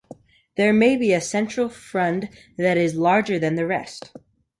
There may be a central frond that is larger than the rest.